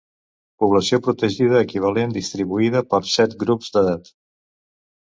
Població protegida equivalent distribuïda per set grups d'edat.